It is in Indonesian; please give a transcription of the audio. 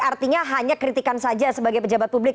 artinya hanya kritikan saja sebagai pejabat publik